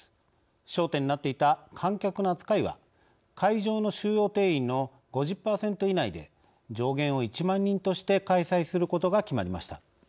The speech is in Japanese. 焦点になっていた観客の扱いが会場の収容定員の５０％以内で上限を１万人として開催することが決まりました。